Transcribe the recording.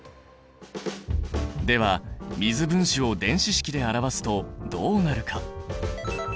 では水分子を電子式で表すとどうなるか？